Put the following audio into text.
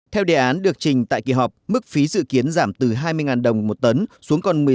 theo đề án được trình tại kỳ họp mức phí dự kiến giảm từ hai mươi đồng một tấn